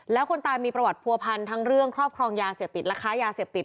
แล้วคนตายมีประวัติผัวพันธ์ทั้งเรื่องครอบครองยาเสพติดและค้ายาเสพติด